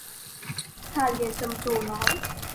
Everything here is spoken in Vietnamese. Hà liền trầm trồ nói